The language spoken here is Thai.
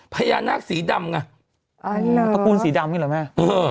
พญานักสีดำอย่างงี้อ๋อหรอประกูลสีดำกี้หรอแม่อ๋อ